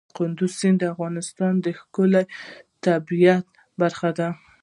کندز سیند د افغانستان د ښکلي طبیعت برخه ده.